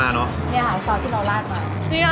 ขอบคุณครับ